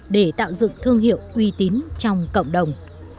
để tạo dựng thương hiệu uy tín trong cộng đồng